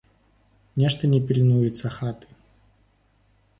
Нешта не пільнуецца хаты.